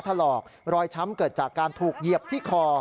ถลอกรอยช้ำเกิดจากการถูกเหยียบที่คอ